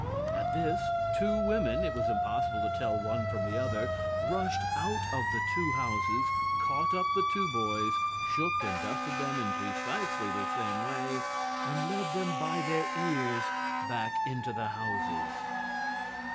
At this two women it was impossible to tell one from the other rushed out of the two houses, caught up the two boys, shook and dusted them in precisely the same way, and led them by their ears back into the houses.